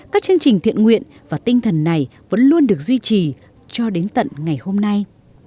các chương trình thiện nguyện và tinh thần này vẫn luôn được duy trì cho đến tận ngày hôm nay